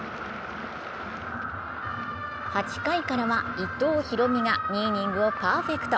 ８回からは伊藤大海が２イニングをパーフェクト。